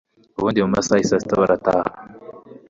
ubundi mumasaha yisaa sita barataha